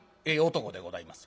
男でございます。